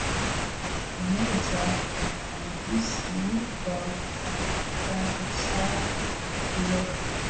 mmoja wa waandishi wa utafiti Richard Fuller